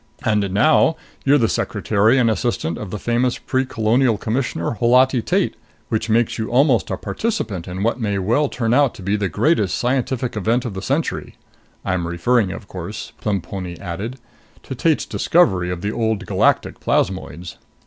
And now you're the secretary and assistant of the famous Precolonial Commissioner Holati Tate which makes you almost a participant in what may well turn out to be the greatest scientific event of the century.... I'm referring, of course," Plemponi added, "to Tate's discovery of the Old Galactic plasmoids."